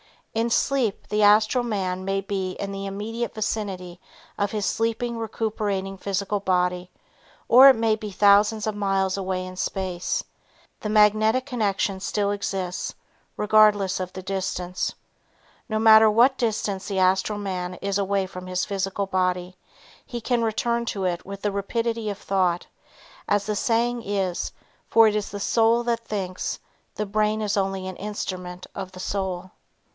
In sleep the astral man may be in the immediate vicinity of his sleeping recuperating physical body or it may be thousands of miles away in space, the magnetic connection still exists regardless of the distance. No matter what distance the astral man is away from his physical body, he can return to it with the rapidity of thought, as the saying is, for it is the soul that thinks, the brain is only an instrument of the soul.